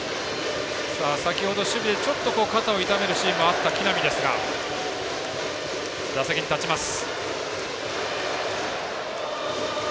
先ほど守備で、ちょっと肩を痛めるシーンもあった木浪ですが打席に立ちます。